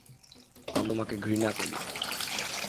আমরা তোমাকে ঘৃণা করি।